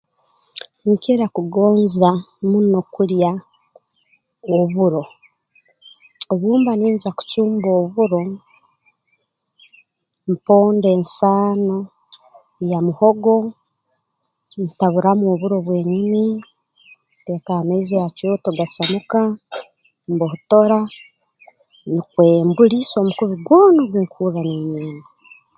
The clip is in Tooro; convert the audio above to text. Nkira kugonza muno kulya oburo obu mba ningya kucumba oburo mponda ensaano ya muhogo ntaburamu oburo bwenyini nteeka amaizi ha kyoto gacamuka mbuhotora nukwe mbuliisa omukubi gwona ogunkuhurra ninyenda